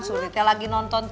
surti teh lagi nonton tv